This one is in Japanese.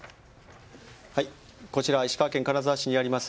こちらは石川県金沢市にあります